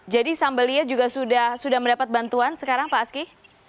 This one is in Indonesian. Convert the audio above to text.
jadi sambalia juga sudah mendapat bantuan sekarang pak aski